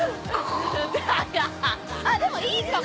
あっでもいいかも。